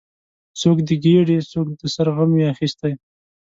څوک د ګیډې، څوک د سر غم وي اخیستی